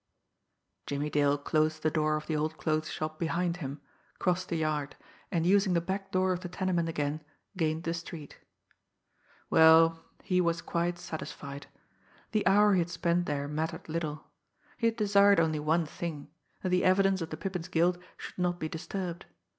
Jimmie Dale closed the door of the old clothes shop behind him, crossed the yard, and using the back door of the tenement again; gained the street. Well, he was quite satisfied! The hour he had spent there mattered little. He had desired only one thing that the evidence of the Pippin's guilt should not be disturbed.